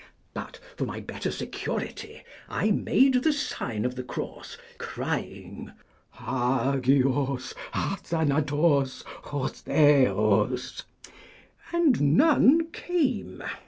But for my better security I made the sign of the cross, crying, Hageos, athanatos, ho theos, and none came.